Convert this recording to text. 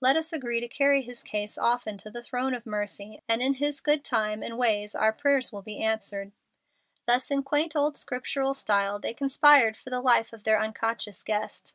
"Let us agree to carry his case often to the throne of mercy, and in His good time and way our prayers will be answered." Thus in quaint old scriptural style they conspired for the life of their unconscious guest.